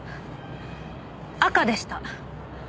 赤でした。